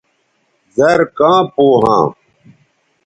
زر کاں پو ھاں